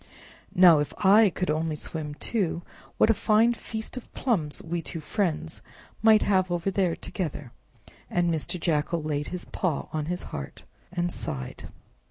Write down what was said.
Now, if I could only swim too, what a fine feast of plums we two friends might have over there together!" And Mr. Jackal laid his paw on his heart, and sighed.